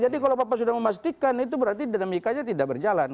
jadi kalau bapak sudah memastikan itu berarti dinamikanya tidak berjalan